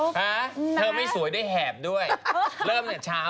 คุณแม่เขาก็สวยเห็นไหมครับเขา